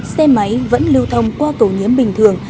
xe máy vẫn lưu thông qua cầu nhiếm bình thường